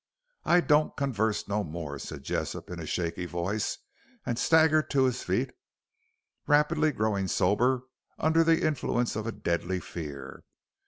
"I don't converse no more," said Jessop in a shaky voice, and staggered to his feet, rapidly growing sober under the influence of a deadly fear.